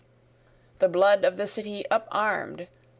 The blood of the city up arm'd!